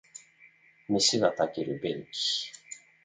飯が炊ける便器